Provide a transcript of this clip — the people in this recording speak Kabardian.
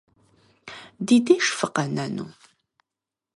Ди деж фыкъэнэну?